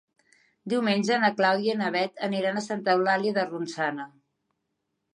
Diumenge na Clàudia i na Bet aniran a Santa Eulàlia de Ronçana.